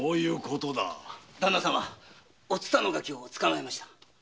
ダンナ様お蔦のガキを捕まえました。